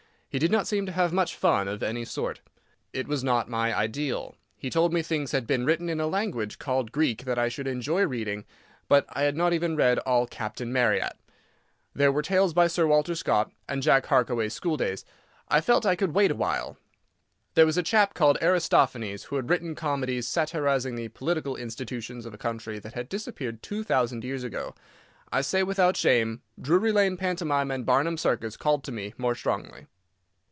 He did not seem to have much fun of any sort. It was not my ideal. He told me things had been written in a language called Greek that I should enjoy reading, but I had not even read all Captain Marryat. There were tales by Sir Walter Scott and "Jack Harkaway's Schooldays!" I felt I could wait a while. There was a chap called Aristophanes who had written comedies, satirising the political institutions of a country that had disappeared two thousand years ago. I say, without shame, Drury Lane pantomime and Barnum's Circus called to me more strongly.